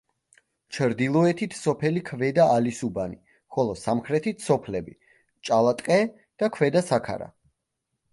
ჩრდილოეთით სოფელი ქვედა ალისუბანი, ხოლო სამხრეთით სოფლები: ჭალატყე და ქვედა საქარა.